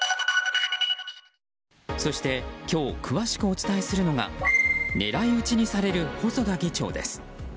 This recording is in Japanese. そして、今日詳しくお伝えするのが狙い撃ちにされる細田議長です。